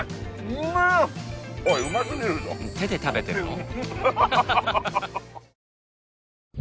手で食べてるの？